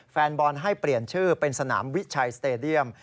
แฟนบอลให้เปลี่ยนชื่อเป็นสนามวิชัยสเตดียม